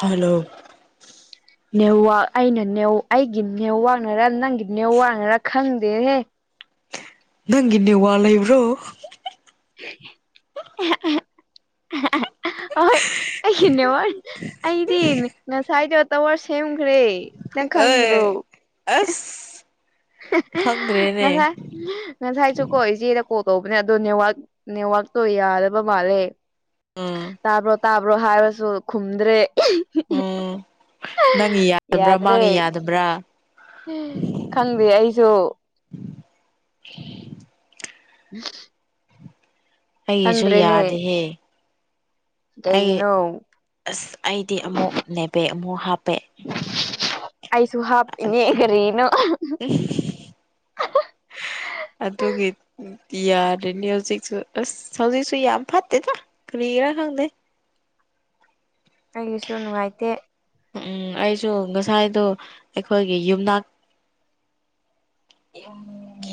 hello ꯅꯦꯋꯥꯛ ꯑꯩꯅ ꯑꯩꯒꯤ ꯅꯦꯠꯋꯥꯛꯅꯔ ꯅꯪꯒꯤ ꯅꯦꯠꯋꯥꯛꯅꯔ ꯈꯪꯗꯦꯍꯦ ꯅꯪꯒꯤ ꯅꯦꯋꯥꯛ ꯂꯩꯕ꯭ꯔꯣ [unintelligible] ꯍꯣꯏ ꯑꯩꯒꯤꯅꯦꯋꯥꯔ ꯑꯩꯗꯤ ꯉꯁꯥꯏꯗꯣ ꯇꯋꯥꯔ ꯁꯦꯝꯈ꯭ꯔꯦ ꯅꯪ ꯈꯪꯗꯔꯣ ꯑꯦ ꯑꯁ ꯈꯪꯗ꯭ꯔꯦꯅꯦ ꯉꯁꯥꯏ ꯉꯁꯥꯏ ꯁꯨꯀꯣ ꯏꯆꯦꯅ ꯀꯣꯜ ꯇꯧꯕꯅꯦ ꯑꯣ ꯅꯦꯋꯥꯛ ꯅꯦꯋꯥꯛꯇꯣ ꯌꯥꯔꯕ ꯃꯥꯜꯂꯦ ꯑꯝ ꯇꯥꯕ꯭ꯔꯣ ꯇꯥꯕ꯭ꯔꯣ ꯍꯥꯏꯔꯁꯨ ꯈꯨꯝꯗ꯭ꯔꯦ ꯎꯝ ꯅꯪꯒꯤ ꯌꯥꯗꯕ꯭ꯔꯥ ꯌꯥꯗ꯭ꯔꯦ ꯃꯥꯒꯤ ꯌꯥꯗꯕ꯭ꯔꯥ ꯈꯪꯗꯦ ꯑꯩꯁꯨ [unintelligible] [unintelligible] ꯑꯩꯒꯤꯁꯨ ꯈꯪꯗ꯭ꯔꯦꯅꯦ ꯌꯥꯗꯦꯍꯦ ꯑꯩ ꯀꯩꯒꯤꯅꯣ ꯑꯁ ꯑꯩꯗꯤ ꯑꯃꯨꯛ ꯅꯦꯕꯦꯛ ꯑꯃꯨꯛ ꯍꯥꯞꯄꯦ ꯑꯩ ꯁꯨꯍꯥꯞ ꯏꯅꯦ ꯀꯔꯤꯅꯣ [unintelligible] ꯑꯗꯨꯒꯤ ꯌꯥꯔꯅꯤ ꯍꯧꯖꯤꯛꯁꯨ ꯑꯁ ꯍꯧꯖꯤꯛꯁꯨ ꯌꯥꯝ ꯐꯠꯇꯦꯗꯥ ꯀꯔꯤ ꯔ ꯈꯪꯗꯦ ꯑꯩꯒꯤꯁꯨ ꯅꯨꯡꯉꯥꯏꯇꯦ ꯎꯝ ꯑꯩꯁꯨ ꯉꯁꯥꯏꯗꯨꯣ ꯑꯩꯈꯣꯏꯒꯤ ꯌꯨꯝꯅꯥꯛ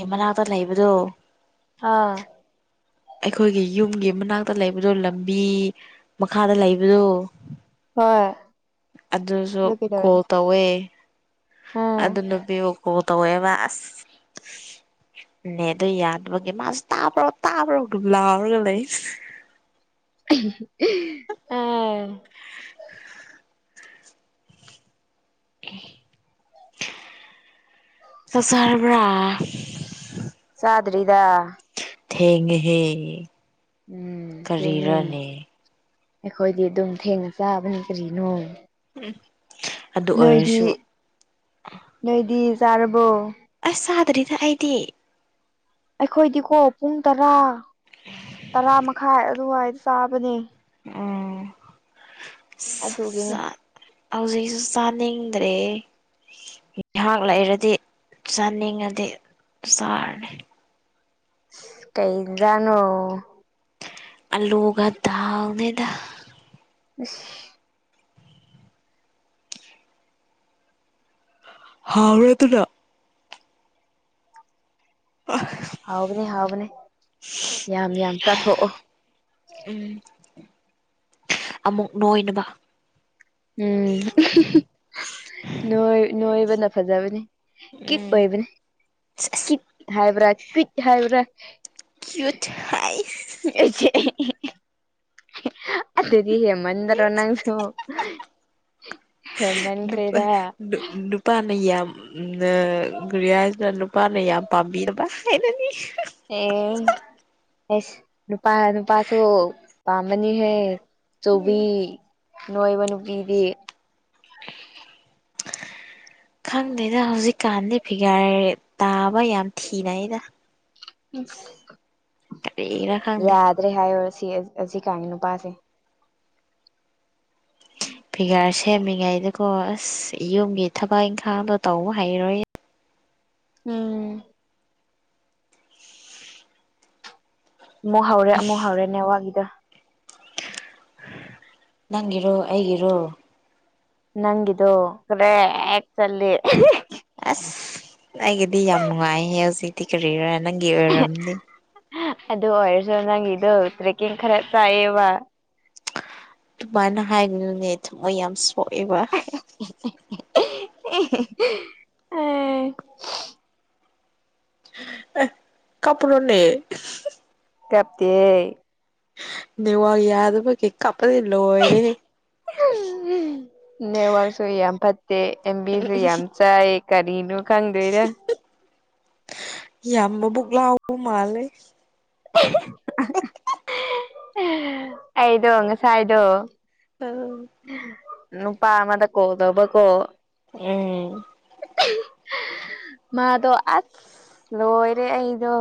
ꯃꯅꯥꯛꯇ ꯂꯩꯕꯗꯣ ꯑꯥ ꯑꯩꯈꯣꯏꯒꯤ ꯌꯨꯝꯒꯤ ꯃꯅꯥꯛꯇ ꯂꯩꯕꯗꯣ ꯂꯝꯕꯤ ꯃꯈꯥꯗ ꯂꯩꯕꯗꯣ ꯍꯣꯏ ꯑꯗꯨꯁꯨ ꯑꯗꯨ ꯀꯩꯗꯧꯔꯦ ꯀꯣꯜ ꯇꯧꯋꯦ ꯑꯥ ꯑꯗꯨ ꯅꯨꯄꯤꯕꯨ ꯀꯣꯜ ꯇꯧꯋꯦꯕ ꯑꯁ ꯅꯦꯠ ꯗꯨ ꯌꯥꯗꯕꯒ ꯃꯥ ꯇꯥꯛ ꯇꯥ ꯄꯔꯣ ꯕꯂꯔꯒ ꯂꯩ ꯑꯥ ꯆꯥꯛ ꯆꯥꯔꯕꯥ ꯆꯥꯗꯔꯤꯗꯥ ꯊꯦꯡꯉꯦ ꯍꯦ ꯎꯝ ꯊꯦꯡꯉꯦ ꯑꯩꯈꯣꯏꯗꯤ ꯑꯗꯨꯝ ꯊꯦꯡꯅ ꯆꯥꯕꯅꯤ ꯀꯔꯤꯅꯣ ꯑꯗꯨ ꯅꯣꯏꯗꯤ ꯑꯣꯏꯔꯁꯨ ꯅꯣꯏꯗꯤ ꯆꯥꯔꯕꯣ ꯑꯁ ꯆꯥꯗ꯭ꯔꯤꯗ ꯑꯩꯗꯤ ꯑꯩꯈꯣꯏꯗꯤꯀꯣ ꯄꯨꯡ ꯇꯔꯥ ꯇꯔꯥ ꯃꯈꯥꯏ ꯑꯗꯨꯋꯥꯏꯗ ꯆꯥꯕꯅꯦ ꯎꯝ ꯑꯗꯨꯒꯤꯅꯦ ꯍꯧꯖꯤꯛꯁꯨ ꯆꯥꯅꯤꯡꯗ꯭ꯔꯦ ꯉꯍꯥꯛ ꯂꯩꯔꯗꯤ ꯆꯥꯅꯤꯡꯉꯗꯤ ꯆꯥꯔꯅꯤ ꯀꯩꯏꯟꯖꯥꯡꯅꯣ ꯑꯜꯂꯨꯒ ꯗꯜꯅꯦꯗ ꯑꯁ ꯍꯥꯎꯕꯔ ꯇꯨꯂ ꯍꯥꯎꯕꯅꯦ ꯍꯥꯎꯕꯅꯦ ꯌꯥꯝ ꯌꯥꯝ ꯆꯥꯊꯣꯛꯑꯣ ꯎꯝ ꯑꯃꯨꯛ ꯅꯣꯏꯅꯕ ꯎꯝ [unintelligible] ꯅꯣꯏ ꯅꫭꯏꯕꯅ ꯐꯖꯕꯅꯤ ꯀꯤꯠ ꯎꯝ ꯑꯣꯏꯕꯅꯦ ꯑꯁ ꯀꯤꯠ ꯍꯥꯏꯕ꯭ꯔꯥ ꯀꯤꯠ ꯍꯥꯏꯕ꯭ꯔꯥ ꯀ꯭ꯌꯨꯠ ꯍꯥꯏ [unintelligible] [unintelligible] ꯍꯦ ꯃꯟꯗꯔꯣ ꯅꯪꯁꯨ ꯍꯦꯃꯟꯈ꯭ꯔꯦꯗ ꯎ ꯔꯤꯌꯥ ꯍꯥꯏ ꯅꯨꯄꯥꯅꯦ ꯌꯥꯝ ꯄꯥꯝꯕꯤꯔꯕ ꯍꯥꯏ ꯑꯦ ꯑꯦꯁ ꯅꯨꯄꯥ ꯅꯨꯄꯥꯁꯨ ꯄꯥꯝꯕꯅꯤ ꯍꯦ ꯆꯧꯕꯤ ꯅꯣꯏꯕ ꯅꯨꯄꯤꯗꯤ ꯈꯪꯗꯦꯗ ꯍꯧꯖꯤꯛꯀꯥꯟꯗꯤ ꯐꯤꯒꯥꯔ ꯇꯥ ꯋꯥ ꯌꯥꯝ ꯊꯤꯅ ꯏꯗ ꯈꯪꯗꯦ ꯌꯥꯗ꯭ꯔꯦ ꯍꯥꯏ ꯑꯁꯤ ꯑꯁꯤ ꯀꯥꯏꯉ ꯅꯨꯄꯥꯁꯦ [inaudible] ꯐꯤꯒꯥꯔ ꯁꯦꯝꯃꯤꯉꯩꯗꯨꯀꯣ ꯑꯁ ꯌꯨꯝꯒꯤ ꯊꯕꯛ ꯏꯪꯈꯥꯡꯗꯣ ꯇꯧꯕ ꯍꯩꯔꯣꯏ ꯎꯝ ꯑꯃꯨꯛ ꯍꯧꯔꯦ ꯑꯃꯨꯛ ꯍꯧꯔꯦꯅꯦꯋꯥꯒꯤꯗ ꯅꯪꯒꯤꯔꯣ ꯑꯩꯒꯔꯣ ꯅꯪꯒꯤꯗꫭ [unintelligible] ꯆꯠꯂꯦ [unintelligible] ꯑꯩꯒꯤꯗꯤ ꯌꯥꯝ ꯅꯨꯡꯉꯥꯏꯍꯦ ꯍꯧꯖꯤꯛꯇꯤ ꯀꯔꯤꯔ ꯅꯪꯒꯤ ꯑꯣꯏꯔꯝꯅꯤ ꯑꯗꯨ ꯑꯣꯏꯔꯁꯨ ꯅꯪꯒꯤꯗꯣ ꯇ꯭ꯔꯦꯛꯀꯤꯡ ꯈꯔ ꯆꯥꯏꯑꯕ ꯑꯗꯨꯃꯥꯏꯅ ꯍꯥꯏꯒꯅꯅꯦ ꯊꯝꯃꯣꯏ ꯌꯥꯝ ꯁꯣꯛꯑꯦꯕ ꯑꯦ ꯑ ꯑ ꯀꯄꯔꯣꯅꯦ ꯀꯞꯇ ꯌꯥꯗꯕꯣ ꯀꯦꯀꯝ ꯅ ꯋꯥꯔꯁꯨꯏ ꯌꯥꯝ ꯐ ꯑꯦꯝꯕꯤꯖ ꯑꯦꯝꯆꯥ ꯑꯦꯀꯥꯔꯤꯅꯨ ꯈꯪꯗꯔ ꯌꯥꯝꯝꯕꯕꯨꯒ ꯂꯎ ꯃꯥꯂꯦ [inaudible] ꯑꯩꯗꯣ ꯉꯁꯥꯏꯥꯏꯗꯣ ꯎꯝ ꯅ ꯄꯥꯃꯗ ꯀꯣꯗꯕ ꯀꯣ ꯎꯝ ꯃꯥꯗꯣ ꯑꯁ ꯂꯣꯏꯔꯦ ꯑꯩꯗꯣ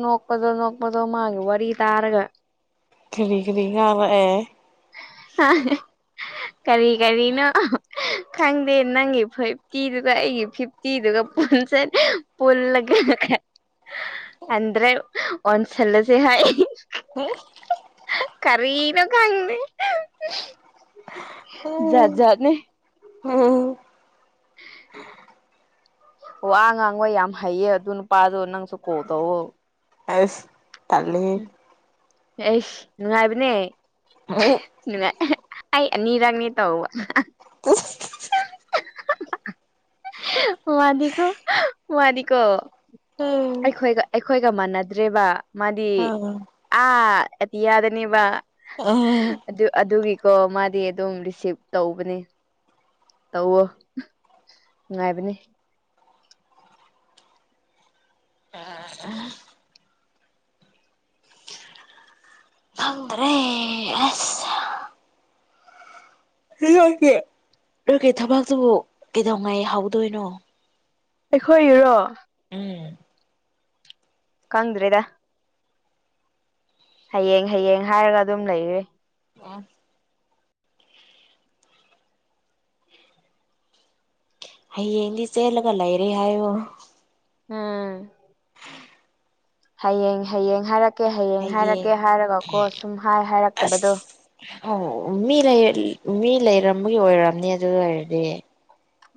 ꯅꯣꯛꯄꯗꯣ ꯅꯣꯛꯄꯗꯣ ꯃꯥꯒꯦ ꯋꯥꯔꯤ ꯇꯥꯔꯒ ꯊꯈꯅꯤ ꯍꯔ ꯑꯦ ꯑ ꯀꯔꯤ ꯀꯔꯤꯅ ꯈꯪꯗꯦ ꯅꯪꯒꯤ ꯐꯤꯚꯇꯤꯗꯨꯒ ꯑꯩꯒꯤ ꯐꯤꯐꯇꯤꯗꯨꯒ ꯄꯨꯟꯁ ꯄꯨꯒ ꯍꯟꯗ꯭ꯔꯥꯏ ꯑꯣꯟꯁꯜꯂꯣꯁꯦ ꯍꯥꯏ ꯎꯝ ꯀꯔꯤꯅ ꯀꯪꯅꯤ ꯌꯥꯖꯠꯖꯅꯦ ꯎꯝ ꯑꯣ ꯑ ꯉꯥꯡꯕ ꯌꯥꯝ ꯍꯩꯌꯦ ꯑꯗꯨ ꯅꯨꯄꯥꯁꯨ ꯅꯪꯁꯨ ꯀꯣ ꯇꯧꯋ ꯑꯁ ꯇꯂ ꯑꯦ ꯅꯨꯡꯉꯥꯏꯕꯅꯦ ꯅꯨꯡꯉꯥꯏ ꯑꯅꯤꯔꯒꯅꯤ ꯇꯎ ꯑ ꯃꯥꯗꯤꯀꯣ ꯃꯥꯗꯤꯀꯣ ꯑꯩꯈꯣꯏꯒ ꯑꯩꯈꯣꯏꯒ ꯃꯥꯟꯅꯗ꯭ꯔꯦꯕ ꯃꯥ ꯗꯤ ꯑꯥꯗꯤ ꯌꯥꯗꯅꯦꯕ ꯑꯗꯨ ꯑꯗꯨꯒꯤꯀꯣ ꯃꯥꯗꯤ ꯑꯗꯨꯝ ꯔꯤꯁꯤꯚ ꯇꯧꯕꯅꯤ ꯇ ꯉꯅꯨꯡꯥꯏꯕꯅꯤ ꯈꯪꯗ꯭ꯔꯦ ꯑꯁ [unintelligible] ꯂꯀꯦ ꯊꯕꯇꯨꯕꯨ ꯀꯩꯗꯧꯉꯩ ꯍꯧꯥꯎꯗꯣꯏꯅꯣ ꯑꯩꯈꯣꯏ ꯏꯔꯣ ꯎꯝ ꯀꯪꯗ꯭ꯔꯦꯗ ꯍꯌꯦꯡ ꯍꯌꯦꯡ ꯍꯥꯏꯔꯒ ꯑꯗꯨꯝ ꯂꯩꯔ ꯑ ꯑꯩꯗꯤ ꯆꯦꯂꯒ ꯂꯩꯥꯏꯔꯣ ꯎꯝ ꯍꯌꯦꯡ ꯍꯌꯦꯡ ꯍꯥꯏꯔꯛꯀꯦ ꯍꯌꯦꯡ ꯍꯥꯏꯔꯛꯀꯦ ꯍꯥꯏꯔꯒꯀꯣ ꯁꯨꯝ ꯍꯥꯏ ꯍꯥꯏꯔꯛꯇꯕꯗꯣ ꯑ ꯃꯤ ꯃꯤ ꯂꯩꯔꯝꯕꯒꯤ ꯑꯣꯏꯔꯝꯅꯤ ꯑꯗꯨ ꯑꯣꯏꯔꯗꯤ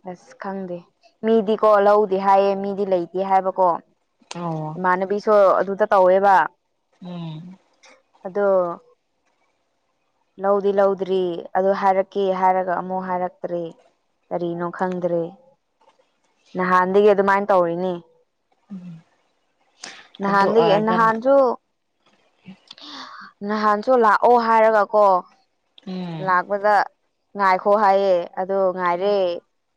ꯑꯁ ꯈꯪꯗꯦ ꯃꯤꯗꯤꯀꯣ ꯂꯧꯗꯤ ꯍꯥꯏꯌꯦ ꯃꯤꯗꯤ ꯂꯩꯇꯦ ꯍꯥꯏꯕꯀꯣ ꯑꯧ ꯏꯃꯥꯟꯅꯕꯤꯁꯨ ꯑꯗꯨꯗ ꯇꯧꯋꯦꯕ ꯎꯝ ꯑꯗꯣ ꯂꯧꯗꯤ ꯂꯧꯗ꯭ꯔꯤ ꯑꯗꯨ ꯍꯥꯏꯔꯛꯀꯦ ꯍꯥꯏꯔꯒ ꯑꯃꯨꯛ ꯍꯥꯏꯔꯛꯇ꯭ꯔꯔꯤ ꯀꯔꯤꯅꯣ ꯈꯪꯗ꯭ꯔꯦ ꯅꯍꯥꯟꯗꯒꯤ ꯑꯗꯨꯃꯥꯏꯅ ꯇꯧꯔꯤꯅꯦ ꯎꯝ [unintelligible] ꯅꯍꯥꯟ ꯂꯩ ꯅꯍꯥꯟꯁꯨ ꯅꯍꯥꯟꯁꯨ ꯂꯥꯛꯑꯣ ꯍꯥꯏꯔꯒꯀꯣ ꯎꯝ ꯂꯥꯛꯄꯗ ꯉꯥꯏꯈꯣ ꯍꯥꯏꯌꯦ ꯑꯗꯣ ꯉꯥꯏꯔꯦ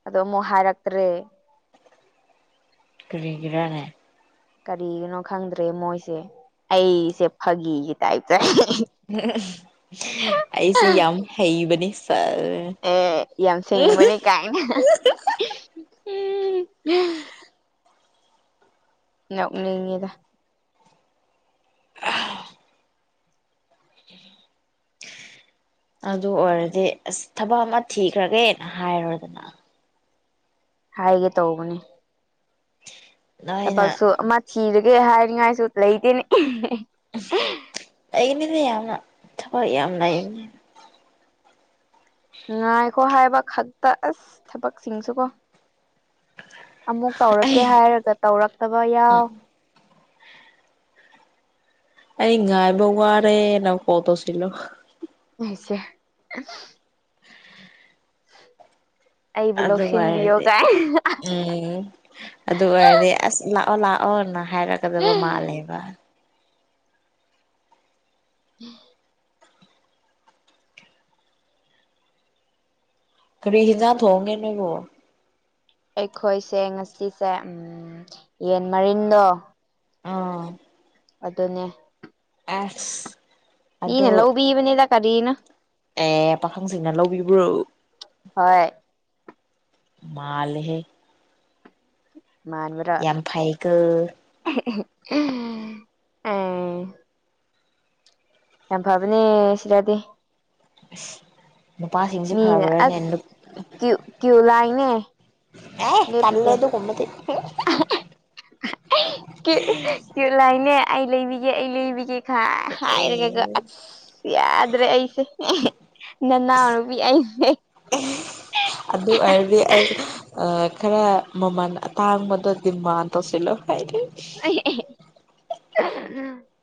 ꯑꯗꯣ ꯑꯃꯨꯛ ꯍꯥꯏꯔꯛꯇ꯭ꯔꯦ ꯀꯔꯤꯒ꯭ꯔꯅꯦ ꯀꯔꯤꯒꯤꯅꯣ ꯈꯪꯗ꯭ꯔꯦ ꯃꯣꯏꯁꯦ ꯑꯩꯁꯦ ꯐꯥꯒꯤꯒꯤ ꯇꯥꯏꯞꯁꯦꯡ ꯑꯩꯁꯤ ꯌꯥꯝ ꯍꯩꯕꯅꯤ ꯁꯥꯔ ꯑꯦ ꯌꯥꯝ ꯁꯤꯡꯕꯅꯤ ꯀꯥꯏꯅ ꯎꯝ ꯉꯞꯅꯤꯡꯉꯗ ꯀ ꯑꯗꯨ ꯑꯣꯏꯔꯗꯤ ꯑꯁ ꯊꯕꯛ ꯑꯃ ꯊꯤꯈ꯭ꯔꯒꯦꯅ ꯍꯥꯏꯔꯣꯏꯗꯅ ꯍꯥꯏꯒꯦ ꯇꯧꯕꯅꯦ ꯅꯣꯏꯅ ꯊꯕꯛꯁꯨ ꯑꯃ ꯊꯤꯔꯒꯦ ꯍꯥꯏꯅꯤꯡꯉꯥꯏꯁꯨ ꯂꯩꯇꯦꯅꯦ ꯑꯩꯅꯤꯗꯤ ꯌꯥꯝꯅ ꯊꯕ ꯌꯥꯝꯅꯞ ꯝꯔꯨ ꯉꯉꯥꯏꯈꯣ ꯍꯥꯏꯕ ꯈꯛꯇ ꯑꯁ ꯊꯕꯛꯁꯤꯡꯁꯨꯀꯣ ꯑꯃꯨꯛ ꯇꯧꯔꯛꯀꯦ ꯑꯩ ꯍꯥꯏꯔꯒ ꯇꯧꯔꯛꯇꯕ ꯌꯥꯎ ꯑꯩ ꯉꯨꯡꯔꯦꯅ ꯀꯠꯇ ꯁꯤ ꯑꯁꯦ [inaudible] ꯑꯩꯕꯨ ꯑꯗꯨ ꯂꯧꯁꯤꯟꯕꯤꯌꯣ ꯑꯣꯏꯔꯗꯤ ꯀꯥꯏ ꯎꯝ ꯑꯗꯨ ꯑꯣꯏꯔꯗꯤ ꯑꯁ ꯑꯣ ꯂꯥꯛꯑꯣꯅ ꯍꯥꯏꯔꯛꯀꯗꯕ ꯃꯥꯜꯂꯦꯕ ꯎꯝ [inaudible] ꯀꯔꯤ ꯍꯦꯟꯖꯥꯡ ꯊꯣꯡꯒꯦ ꯅꯣꯏꯕꯨ ꯑꯩꯈꯣꯏꯁꯦ ꯉꯁꯤꯁꯦ ꯌꯦꯟ ꯃꯔꯤꯟꯗꯣ ꯑꯥ ꯑꯗꯨꯅꯦ ꯑꯦꯁ ꯑꯗꯣ ꯃꯤꯅ ꯂꯧꯕꯤꯕꯅꯤꯗ ꯀꯔꯤꯅꯣ ꯑꯦ ꯄꯥꯈꯪꯁꯤꯡꯅ ꯂꯧꯕꯤꯕ꯭ꯔꯣ ꯍꯣꯏ ꯃꯥꯂꯦꯍꯦ ꯃꯥꯟꯕꯔꯥ ꯐꯩꯀꯣ ꯑ [unintelligible] ꯌꯥꯝ ꯐꯕꯅꯦ ꯁꯤꯗꯗꯤ ꯑꯁ ꯅꯨꯄꯥꯁꯤꯡꯁꯦ ꯃꯤꯅ ꯐꯕ꯭ꯔꯅꯦ ꯑꯁ ꯅꯨꯞ ꯀ꯭ꯌꯨ ꯀ꯭ꯌꯨ ꯂꯥꯏꯟꯅꯦ ꯑꯦ ꯇꯜꯂꯦ ꯑꯗꯨꯒꯨꯝꯕꯗꯤ ꯀꯩ ꯀꯩꯂꯥꯏꯅꯦ ꯑꯩ ꯂꯩꯕꯤꯒꯦ ꯑꯩ ꯂꯩꯕꯤꯒꯦ ꯍꯥꯏ ꯑꯦ ꯍꯥꯏꯔꯒꯒ ꯑꯁ ꯌꯥꯗ꯭ꯔꯦ ꯑꯩꯁꯦ ꯅꯅꯥꯎ ꯅꯨꯄꯤ ꯑꯩ ꯑꯗꯨ ꯑꯣꯏꯔꯗꯤ ꯑꯩ ꯑ ꯈꯔ ꯃꯃꯟ ꯑꯇꯥꯡꯕꯗꯗꯤ ꯃꯥꯟ ꯇꯧꯁꯤꯜꯂꯣ ꯍꯥꯏꯗꯤ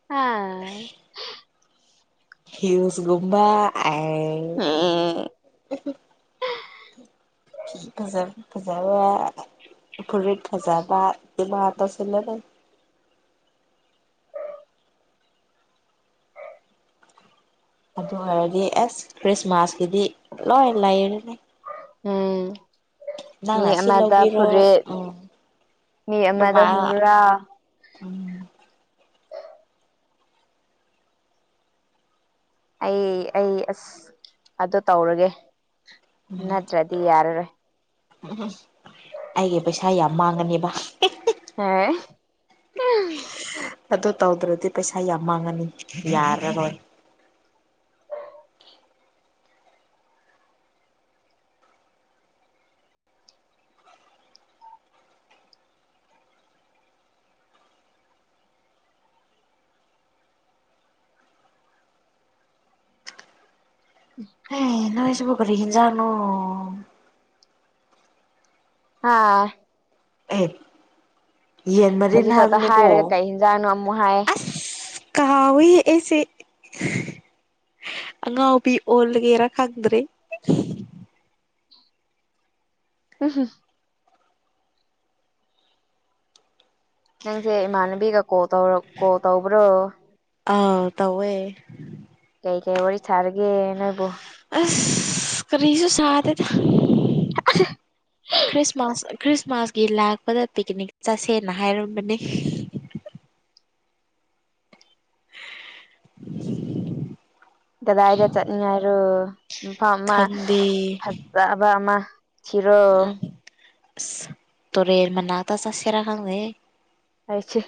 ꯍꯥꯥ ꯍ꯭ꯌꯨꯁꯒꯨꯝꯕꯥ ꯑꯥꯏꯏ ꯎꯝ ꯐꯤ ꯐꯖ ꯐꯖꯔꯥ ꯐꯨꯔꯤꯠ ꯐꯖꯗ ꯏꯃꯥꯟ ꯇꯧꯁꯤꯜꯂꯗꯝꯅꯤ ꯑꯗꯨ ꯑꯣꯏꯔꯗꯤ ꯑꯁ ꯈ꯭ꯔꯤꯁꯃꯥꯁꯀꯤꯗꯤ ꯂꯣꯏ ꯂꯩꯔꯅꯤ ꯎꯝ ꯃꯤ ꯅꯪꯅ ꯑꯁꯤ ꯑꯃꯗ ꯂꯧꯕꯤꯔꯣ ꯐꯨꯔꯤꯠ ꯎꯝ ꯃꯤ ꯑꯃꯗ ꯑꯗꯨꯃꯥꯏꯅ ꯍꯨꯝꯒ꯭ꯔꯥꯎ ꯎꯝ ꯑꯩ ꯑꯩ ꯑꯁ ꯑꯗꯨ ꯇꯧꯔꯒꯦ ꯅꯠꯇ꯭ꯔꯗꯤ ꯌꯥꯔꯔꯣꯏ ꯎꯝ ꯎꯝ ꯑꯩꯒꯤ ꯄꯩꯁꯥ ꯌꯥꯝ ꯃꯥꯡꯒꯅꯦꯕꯥ ꯍꯥ [unintelligible] ꯑꯗꯨ ꯇꯧꯗ꯭ꯔꯗꯤ ꯄꯩꯁꯥ ꯌꯥꯝ ꯃꯥꯡꯉꯅꯤ ꯌꯥꯔꯔꯣꯏ ꯎꯝ [inaudible] ꯍꯩ ꯅꯣꯏꯁꯤꯕꯨ ꯀꯔꯤ‌ ꯍꯤꯟꯖꯥꯡꯅꯣ ꯍꯥꯥ ꯑꯦ ꯌꯦꯟ ꯃꯔꯤꯟ ꯍꯧꯖꯤꯛ ꯈꯛꯇ ꯍꯥꯏꯕꯅꯦꯀꯣ ꯍꯥꯏꯔꯒ ꯀꯩ ꯍꯤꯟꯖꯥꯡꯅꯣ ꯑꯃꯨꯛ ꯍꯥꯏ ꯑꯁ ꯀꯥꯎꯏ ꯑꯩꯁꯦ ꯑꯉꯥꯎꯕꯤ ꯑꯣꯂꯒꯦꯔꯥ ꯈꯪꯗ꯭ꯔꯦ ꯎꯝ [unintelligible] ꯅꯪꯁꯦ ꯏꯃꯥꯟꯅꯕꯤꯒꯥ ꯀꯣꯜ ꯇꯧꯔ ꯀꯣꯜ ꯇꯧꯕ꯭ꯔꯣ ꯑꯥ ꯇꯧꯋꯦ ꯀꯩ ꯀꯩ ꯋꯥꯔꯤ ꯁꯥꯔꯒꯦ ꯅꯣꯏꯕꯣ ꯑꯁ ꯀꯔꯤꯁꯨ ꯁꯥꯗꯦꯗ ꯈ꯭ꯔꯤꯁꯃꯥꯁ ꯈ꯭ꯔꯤꯁꯃꯥꯁꯀꯤ ꯂꯥꯛꯄꯗ ꯄꯤꯛꯀꯅꯤꯛ ꯆꯠꯁꯦꯅ ꯍꯥꯏꯔꯝꯕꯅꯦ ꯀꯗꯥꯏꯗ ꯆꯠꯅꯉꯥꯏꯔꯣ ꯃꯐꯝ ꯑꯃ ꯈꯪꯗꯦ ꯐꯠꯖꯕ ꯑꯃ ꯊꯤꯔꯣ ꯑꯁ ꯇꯨꯔꯦꯟ ꯃꯅꯥꯛꯇ ꯆꯠꯁꯤꯔ ꯈꯪꯗꯦꯍꯦ ꯑꯩꯁꯦ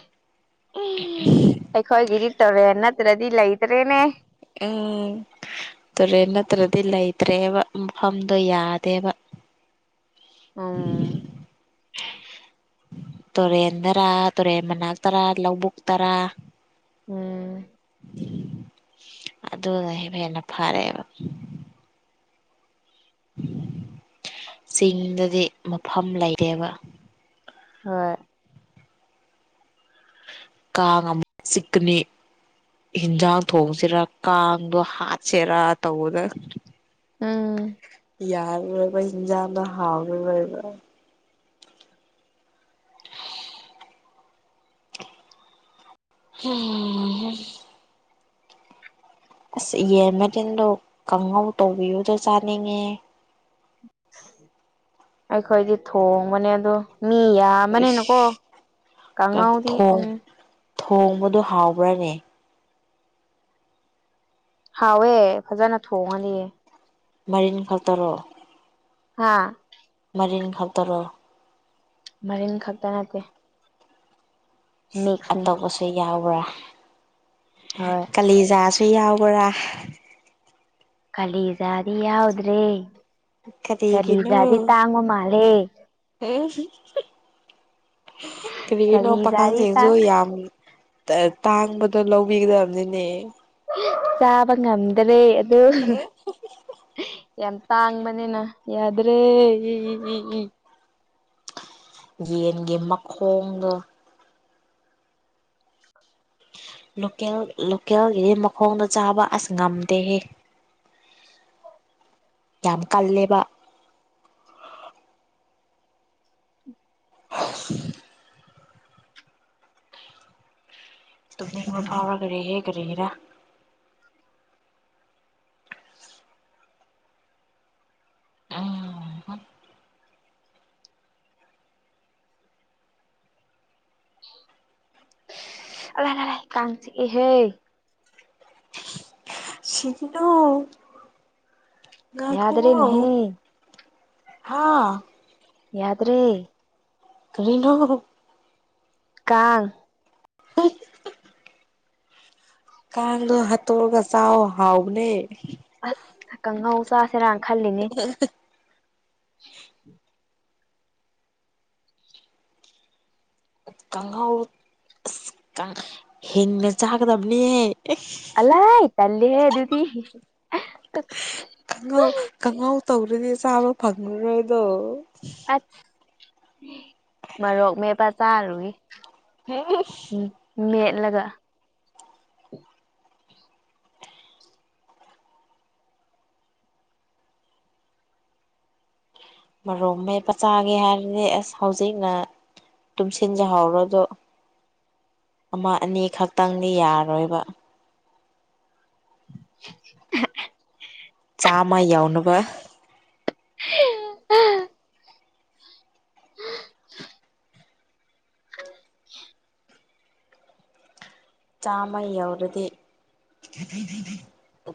ꯑꯩꯈꯣꯏꯒꯤꯗꯤ ꯇꯧꯔꯦ ꯅꯠꯇ꯭ꯔꯗꯤ ꯂꯩ ꯎꯝ ꯇꯨꯔꯦꯟ ꯅꯠꯇ꯭ꯔꯗꯤ ꯂꯩ ꯐꯠꯇ꯭ꯔꯦꯕꯥ ꯃꯐꯝꯗꯣ ꯌꯥꯗꯦꯕꯥ ꯎꯝ ꯇꯨꯔꯦꯟꯗꯔꯥ ꯇꯨꯔꯦꯟ ꯃꯅꯥꯛ ꯇꯔꯥ ꯂꯧꯕꯨꯛ ꯇꯔꯥ ꯎꯝ ꯑꯗꯨꯅ ꯍꯦꯟꯅ ꯐꯔꯛꯑꯦꯕ ꯆꯤꯡꯗꯗꯤ ꯃꯐꯝ ꯂꯩꯔꯦꯕ ꯍꯣꯏ ꯀꯥꯉꯝ ꯆꯛꯅꯤ ꯌꯦꯟꯖꯥꯡ ꯊꯣꯡꯁꯤꯔꯥ ꯀꯥꯡꯗꯣ ꯍꯥꯠꯁꯤꯔꯥ ꯇꯧꯕꯗ ꯎꯝ ꯌꯥꯔꯨꯔꯣꯏꯕ ꯏꯟꯖꯥꯡꯅ ꯍꯥꯎꯔꯨꯔꯣꯏꯕ ꯎꯝ ꯑꯁ ꯌꯦ ꯃꯗꯤꯤꯟꯗꯣ ꯀꯥꯡꯪꯍꯧ ꯇꯧꯕꯤꯌꯨꯗ ꯆꯥꯅꯤꯡꯉꯦ ꯑꯩꯈꯣꯏꯗꯤ ꯊꯣꯡꯕꯅꯦ ꯑꯗꯣ ꯃꯤ ꯌꯥꯝꯕꯅꯤꯅꯀꯣ ꯏꯁ ꯀꯥꯡꯪꯉꯥꯎꯗꯤ ꯎꯝ ꯊꯣꯡꯕꯗꯨꯣ ꯍꯥꯎꯕ꯭ꯔꯥꯅꯦ ꯍꯥꯎꯑꯦ ꯐꯖꯅ ꯊꯣꯡꯉꯅꯤꯑ ꯃꯔꯤꯟ ꯈ ꯇꯔꯛꯣ ꯍꯥꯥ ꯇꯔꯤꯡ ꯈꯇꯔꯣ ꯃꯔꯤꯟ ꯈꯛꯇ ꯅꯠꯇꯦ ꯃꯤꯛꯁꯅꯤ ꯑꯇꯣꯞꯄꯁꯨ ꯌꯥꯎꯕ꯭ꯔꯥ ꯍꯣꯏ ꯀꯥꯂꯤꯖꯥꯁꯨ ꯌꯥꯎꯕ꯭ꯔꯥ ꯈꯂꯖꯥꯗꯤ ꯌꯥꯎꯗ꯭ꯔꯔꯤ ꯀꯔꯤꯒꯤꯅꯣ ꯀꯂꯤꯖꯗꯤ ꯇꯥꯡꯉꯣ ꯃꯥꯂꯦ ꯀꯔꯤꯒꯤꯅꯣ ꯀꯂꯤꯖꯥꯗꯤ ꯄꯥꯈꯪꯁꯤꯡꯁꯨ ꯇꯥꯡ ꯌꯥꯝ ꯇꯥꯡꯕꯗꯣ ꯂꯧꯕꯤꯒꯗꯕꯅꯤꯅꯦ ꯆꯥꯕ ꯉꯝꯗ꯭ꯔꯦ ꯑ ꯌꯥꯝ ꯇꯥꯡꯕꯅꯤꯅ ꯌꯥꯗ꯭ꯔꯦ ꯌꯦꯟꯒꯤ ꯃꯈꯣꯡꯒ ꯂꯣꯦꯜ ꯂꯣꯀꯦꯜꯒꯤꯗꯤ ꯃꯈꯣꯡꯗ ꯆꯥꯕ ꯑꯁ ꯉꯝꯗꯦꯍꯦ ꯌꯥꯝ ꯀꯜꯂꯦꯕ [inaudible] ꯇꯨ ꯐꯥꯎꯔ ꯈꯦ ꯍꯦ ꯀꯦ ꯌꯦꯔ ꯑ ꯑ ꯀꯁꯤ ꯑꯦꯍꯦ ꯁꯤꯒꯤꯅꯣ ꯉꯅꯥ ꯀꯧꯕ ꯌꯥꯗ꯭ꯔꯦꯅꯦꯍꯦ ꯍꯥꯥ ꯌꯥꯗ꯭ꯔꯔꯤ ꯀꯅ ꯀꯥꯡ ꯎ ꯀꯥꯡꯗꯣ ꯍꯥꯠꯇꯔꯒ ꯆꯥꯎ ꯍꯥꯎꯅꯦ ꯑꯁ ꯀꯥꯡꯍꯧ ꯆꯁꯤꯔ ꯈꯜꯂꯤꯅꯤ ꯀꯥꯡꯍꯥꯎ ꯑꯁ ꯍꯤꯡꯅ ꯆꯥꯒꯗꯕꯅꯤꯍꯦ ꯑꯜꯥꯏ ꯇꯜꯂꯦꯦ ꯑꯗꯨꯗꯤ ꯇꯧꯔꯤꯁꯕ ꯐꯗꯃꯔ ꯑꯣꯏꯣꯏꯗꯣ ꯑ ꯃꯔꯣꯔꯣꯛ ꯃꯦꯄꯥ ꯆꯥꯔꯨꯏ ꯃꯦ ꯂ ꯃꯔꯣ ꯃ ꯄꯆꯥꯒꯦ ꯍꯥꯏꯔꯗꯤ ꯑꯁ ꯍꯧꯖꯤꯛꯅ ꯇꯨꯝꯁꯤꯟꯖꯍꯧꯔꯗꯣ ꯑꯃ ꯑꯅꯤꯈꯛ ꯇꯪꯗꯤ ꯌꯥꯔꯣꯏꯕ [unintelligible] ꯆꯥꯝꯃ ꯌꯥꯎꯅꯕ ꯑ ꯑ ꯆꯃꯎꯔꯗꯤ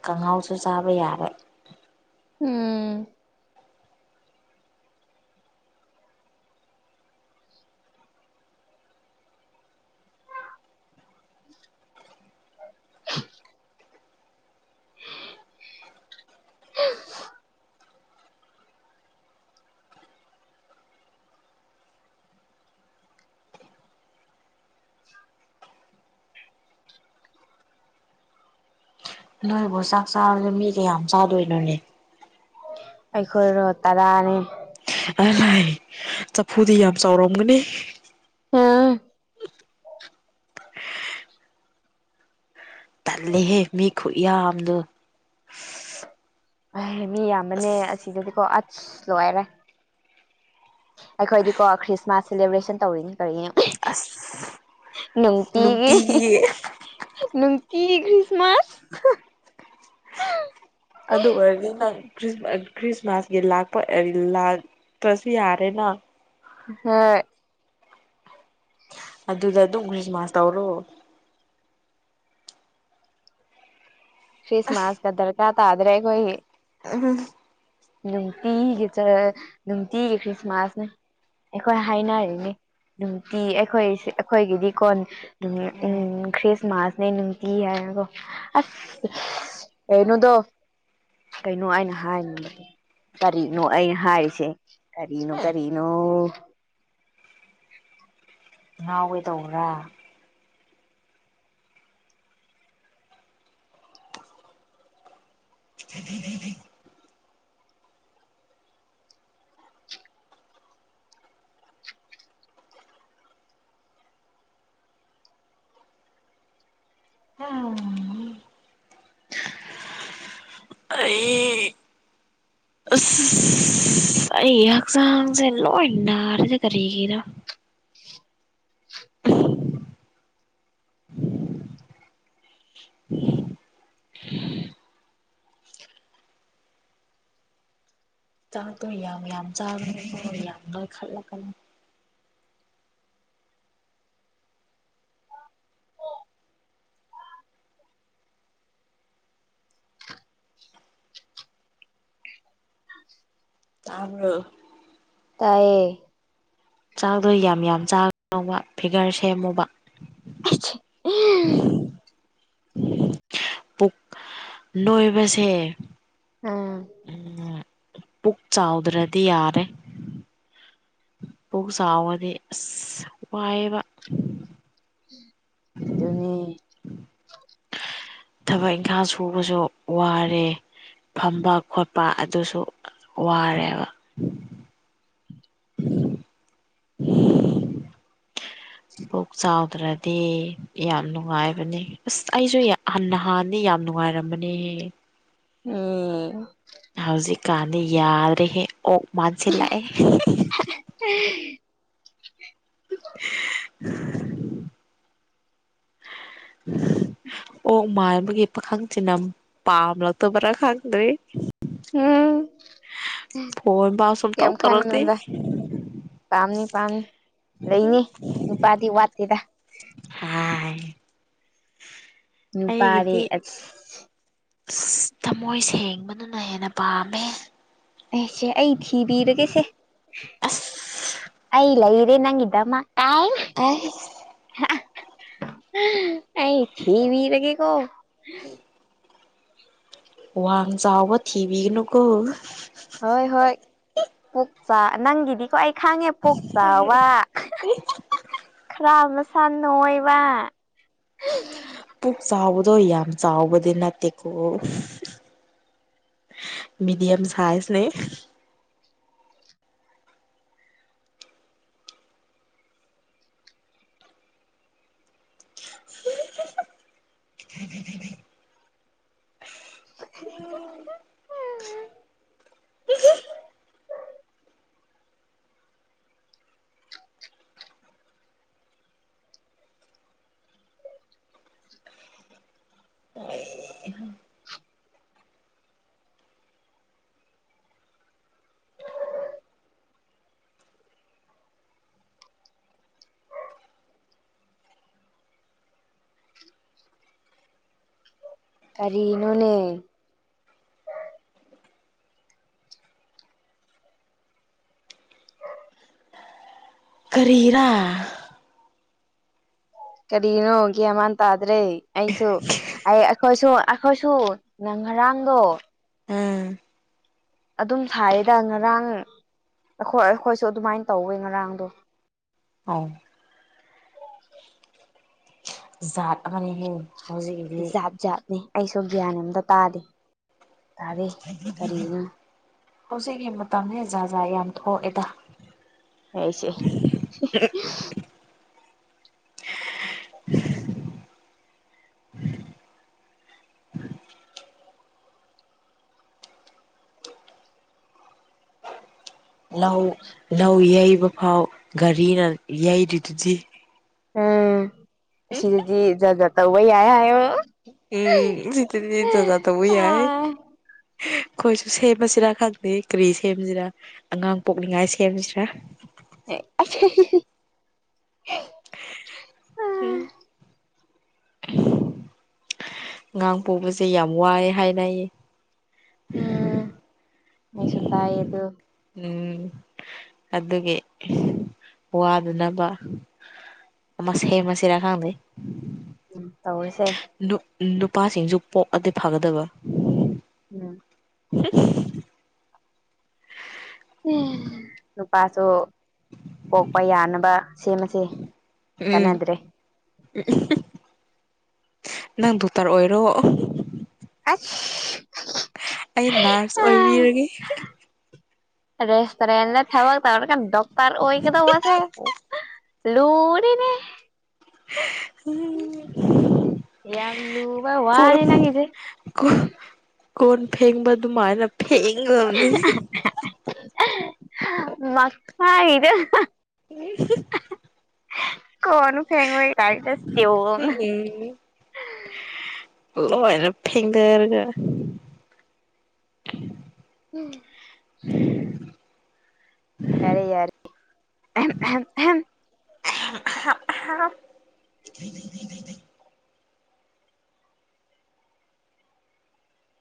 ꯈꯉꯥꯎꯁꯨ ꯆꯥꯕ ꯌꯥꯔꯦ ꯎꯝ [unintelligible] ꯅꯣꯏꯕꯨ ꯆꯥꯛ ꯆꯥꯔꯁꯦ ꯃꯤ ꯀꯌꯥꯝ ꯆꯥꯗꯣꯏꯅꯣꯅꯦ ꯑꯩꯈꯣꯏꯔꯣ ꯇꯔꯥꯅꯤ ꯑ ꯂꯥꯏ ꯆꯐꯨꯗꯤ ꯌꯥꯝ ꯆꯥꯎꯔꯝꯒꯅꯤ ꯑꯝ ꯇꯜꯂꯦꯍꯦ ꯃꯤ ꯈꯨꯠ ꯌꯥꯝꯗꯣ ꯑꯦ ꯃꯤ ꯌꯥꯝꯕꯅꯦ ꯑꯁꯤꯗꯗꯤꯀꯣ ꯑꯁ ꯂꯣꯏꯔꯦ ꯑꯩꯈꯣꯏꯗꯤꯀꯣ ꯈ꯭ꯔꯤꯁꯃꯥꯁ ꯁꯦꯂꯦꯕ꯭ꯔꯦꯁꯟ ꯇꯧꯔꯤꯅꯤ ꯑꯁ ꯀꯔꯤꯒꯤꯅꯣ ꯅꯨꯡꯇꯤꯒꯤ ꯀꯤ ꯀ ꯈ꯭ꯔꯤꯁꯃꯥꯁ ꯑꯗꯨ ꯑꯣꯏꯔꯒ ꯈ꯭ꯔꯤꯁꯃꯥꯁꯀꯤ ꯂꯥꯛꯄ ꯂꯥꯛꯄꯁꯨ ꯌꯥꯔꯦꯅ ꯍꯝ ꯑꯗꯨ ꯑꯗꯨꯗ ꯑꯗꯨ ꯀꯔꯤꯁ ꯃꯥꯁꯧꯔ ꯐꯁ ꯃꯥꯁ ꯀ ꯔꯀꯥ ꯇꯥꯗꯔꯦꯈꯏ ꯎꯝ ꯅꯨꯡꯅꯨꯡꯇꯒꯤ ꯆ ꯅꯨꯡꯅꯨꯡꯇꯒ ꯀ꯭ꯔꯤꯁꯃꯥꯁꯅꯦ ꯑꯩꯈꯣꯏ ꯍꯥꯏꯅꯔꯤꯅꯤ ꯅꯨꯡꯇꯤ ꯑꯩꯈꯣꯏ ꯑꯩꯈꯣꯏꯒꯤꯗꯤ ꯀꯣꯟ ꯎꯝ ꯈ꯭ꯔꯤꯁꯃꯥꯁꯅꯦ ꯅꯨꯡꯇꯤ ꯍꯥꯏ ꯣ ꯑꯁ ꯑꯦꯅꯨꯗꯣ ꯀꯩꯅꯣ ꯑꯩꯅ ꯍꯥꯏꯅꯤꯡꯕꯗꯤ ꯀꯔꯤꯅꯣ ꯑꯩꯅ ꯍꯥꯏꯁꯦ ꯀꯔꯤꯅꯣ ꯀꯔꯤꯅꯣ [unintelligible] ꯉꯥꯎꯒꯦꯗꯧꯕ꯭ꯔꯥ ꯎꯝ ꯑꯩ ꯑꯩ ꯑꯁꯁꯂꯣ ꯏꯟꯅꯔꯦꯗꯤ ꯀꯔꯤꯒꯤꯗ [unintelligible] ꯆꯥꯗꯣꯏ ꯌꯥꯝ ꯌꯥꯝ ꯆꯥꯕꯅꯤ ꯌꯥꯝ ꯂꯣꯏꯈꯠꯂꯛꯀꯅꯤ ꯇꯕ ꯇꯌꯦ ꯆꯥꯛꯗꯣ ꯌꯥꯝ ꯌꯥꯝ ꯆꯥꯕ ꯐꯤꯒꯔ ꯁꯦꯝꯃꯨꯕ ꯄꯨ ꯅꯣꯏꯕꯁꯦ ꯑꯥ ꯎꯝ ꯄꯨꯛ ꯆꯥꯎꯗ꯭ꯔꯗꯤ ꯌꯥꯔꯦ ꯄꯨꯣꯛ ꯆꯥꯎꯕꯗꯤ ꯑꯁ ꯋꯥꯏꯕ ꯑꯗꯨꯅꯦ ꯊꯕꯛ ꯏꯪꯈꯥꯡ ꯁꯨꯕꯁꯨ ꯋꯥꯔꯦ ꯐꯝꯕ ꯈꯣꯠꯄ ꯑꯗꯨꯁꯨ ꯋꯥꯔꯦꯕ ꯎꯝ ꯄꯨꯛ ꯆꯥꯎꯗ꯭ꯔꯗꯤ ꯌꯥꯝ ꯅꯨꯡꯉꯥꯏꯕꯅꯦ ꯑꯁ ꯑꯩꯁꯨ ꯍꯟꯅ ꯍꯥꯟꯅꯤ ꯌꯥꯝ ꯅꯨꯡꯉꯥꯏꯔꯃꯅꯦꯍ ꯎꯝ ꯍꯧꯖꯤꯛꯀꯥꯟꯗꯤ ꯌꯥꯗ꯭ꯔꯦꯍꯦ ꯑꯣ ꯃꯥꯟꯁꯤ ꯂꯥꯛꯑꯦ [unintelligible] [unintelligible] [unintelligible] ꯑꯣ ꯃꯥꯏꯕꯒꯤ ꯄꯥꯈꯪ ꯊꯤꯅꯝ ꯄꯥꯝꯂꯛꯇꯕ꯭ꯔꯥ ꯈꯪꯗ꯭ꯔꯤ ꯎꯝ [unintelligible] ꯁꯨꯡ ꯇꯧ ꯀꯩꯝ ꯇꯧꯔꯛꯇꯦ ꯈꯟꯅꯨꯗ ꯄꯥꯝꯅꯤ ꯄꯥꯝꯅꯤ ꯂꯩꯅꯤ ꯅꯨꯄꯥꯗꯤ ꯋꯥꯠꯇꯦꯗ ꯍꯥꯏ ꯅꯨꯄꯥꯗꯤ ꯑꯩꯒꯤꯗꯤ ꯑꯁ ꯊꯃꯣꯏ ꯁꯦꯡꯕꯗꯨꯅ ꯍꯦꯟꯅ ꯄꯥꯝꯃꯦ ꯑꯦ ꯁꯦ ꯑꯩ ꯊꯤꯕꯤꯔꯒꯦꯁꯦ ꯑꯁ ꯑꯩ ꯂꯩ ꯔꯤ ꯅꯪꯒꯤꯗꯃꯀꯇ ꯑꯥꯏꯁ ꯑꯩ ꯊꯤꯕꯤꯔꯒꯦꯀꯣ ꯎꯝ ꯋꯥꯡ ꯆꯥꯎꯕ ꯊꯤꯕꯤꯒꯅꯨꯀꯣ ꯄꯨꯛꯆꯥ ꯅꯪꯒꯤꯗꯤ ꯀꯣ ꯑꯩ ꯈꯥꯡꯉꯦ ꯄꯣꯛ ꯆꯥꯎꯕ ꯈꯔ ꯃꯁꯥ ꯅ ꯑꯣꯏꯕ [unintelligible] ꯄꯨꯛ ꯆꯥꯎꯕꯗꯣ ꯌꯥꯝ ꯌꯥꯝ ꯆꯥꯎꯕꯗꯤ ꯅꯠꯇꯦꯀꯣ ꯃꯤꯗꯤꯌꯝ ꯁꯥꯏꯖꯅꯦ [unintelligible] ꯀꯔꯤꯅꯣꯅꯦ ꯀꯔꯤꯔꯥ ꯀꯔꯤꯅꯣ ꯒ꯭ꯌꯥꯟꯃꯥꯟ ꯇꯥꯗ꯭ꯔꯦ ꯑꯩꯁꯨ ꯑꯩ ꯑꯩꯈꯣꯏꯁꯨ ꯑꯩꯈꯣꯏꯁꯨ ꯉꯔꯥꯡꯗꯣ ꯎꯝ ꯑꯗꯨꯝ ꯁꯥꯏꯌꯦꯗ ꯉꯔꯥꯡ ꯑꯩꯈꯣꯏ ꯑꯩꯈꯣꯏꯁꯨ ꯑꯗꯨꯃꯥꯏꯅ ꯇꯧꯋꯦ ꯉꯔꯥꯡꯗꯣ ꯑꯧ ꯖꯥꯠ ꯑꯃꯅꯤ ꯍꯦ ꯖꯥꯠ ꯖꯥꯠꯅꯦ ꯑꯩꯁꯨ ꯒ꯭ꯌꯥꯟ ꯑꯝꯇ ꯇꯥꯗꯦ ꯇꯗꯦ ꯀꯔꯤꯒꯤꯅꯣ ꯍꯧꯖꯤꯛꯀꯤ ꯃꯇꯝꯅꯦ ꯖꯥꯠ ꯖꯥꯠꯌꯥꯝ ꯊꯣꯛꯑꯦꯗ [unintelligible] ꯂꯧ ꯂꯧ ꯌꯩꯕ ꯐꯥꯎ ꯒꯥꯔꯤꯅ ꯌꯩꯔꯤꯗꯨꯗꯤ ꯎꯝ ꯑꯁꯤꯗꯤ ꯖꯥꯠ ꯖꯥꯠ ꯍꯥꯏꯌꯣ ꯎꯝ ꯁꯤꯗꯗꯤ ꯖꯥꯠ ꯖꯥꯠ ꯇꯧꯕꯥ ꯌꯥꯏ ꯑꯩꯈꯣꯏꯁꯨ ꯁꯦꯝꯃꯁꯤꯔꯥ ꯈꯪꯗꯦ ꯀꯔꯤ ꯁꯦꯝꯁꯤꯔꯥ ꯑꯉꯥꯡ ꯄꯣꯛꯅꯤꯡꯉꯥꯏ ꯁꯦꯝꯁꯤꯔꯥ [unintelligible] ꯎꯝ ꯉꯥꯡ ꯄꯣꯕꯁꯦ ꯌꯥꯝ ꯋꯥꯏ ꯍꯥꯏꯅꯩꯌꯦ ꯎꯝ ꯃꯤꯁꯨꯇꯥꯏ ꯑꯗꯨ ꯎꯝ ꯑꯗꯨꯒꯤ ꯋꯥꯗꯅꯕ ꯑꯃꯥ ꯁꯦꯃꯁꯤꯔꯥ ꯈꯪꯗ ꯎꯝ ꯇꯧ ꯅꯨꯄꯥꯁꯤꯡꯁꯨ ꯄꯣꯛꯑꯗꯤ ꯐꯒꯗꯕ ꯎꯝ [unintelligible] ꯅꯨꯄꯥꯁꯨ ꯀꯣꯛꯄ ꯌꯥꯅꯕ ꯁꯦꯝꯃꯁꯦ ꯎꯝ ꯀꯥꯟꯅꯗ꯭ꯔꯦ ꯅꯪ ꯗꯣꯛꯇꯔ ꯑꯣꯏꯔꯣ ꯑꯁ ꯑꯩ ꯅꯔꯁ ꯑꯣꯏꯕꯤꯔꯒꯦ ꯔꯦꯁꯇꯨꯔꯦꯟ ꯊꯕꯛ ꯇꯧꯔꯒ ꯗꯣꯛꯇꯔ ꯑꯣꯏꯒꯗꯧꯕꯁꯦ ꯂꯨꯔꯤꯅꯦ ꯎꯝ ꯌꯥꯝ ꯂꯨꯕ ꯀꯣꯟ ꯋꯥꯅꯤ ꯅꯪꯒꯤꯖꯦ ꯀꯣꯟ ꯀꯣꯟ ꯐꯦꯡꯕ ꯑꯗꯨꯃꯥꯏꯅ ꯐꯦꯡꯒꯗꯕꯅꯤ ꯃꯁꯥꯏꯅꯦ ꯍ [inaudible] ꯀꯅ ꯐꯦꯡꯉꯑꯣ ꯀꯗꯁ ꯇꯣ [unintelligible] ꯎꯝ ꯂꯣꯏꯅ ꯐꯦꯡꯗꯔꯒ ꯎꯝ ꯎꯝ [inaudible] ꯌꯥꯔꯦ ꯌꯥꯔꯦ [inaudible]